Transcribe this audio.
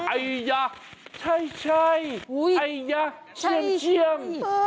ไอย๊ะใช่ไอย๊ะเช่ง